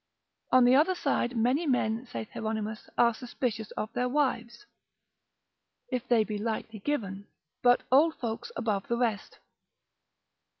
On the other side many men, saith Hieronymus, are suspicious of their wives, if they be lightly given, but old folks above the rest.